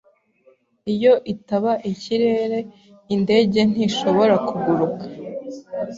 Iyo itaba ikirere, indege ntishobora kuguruka.